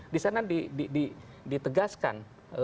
di sana ditegaskan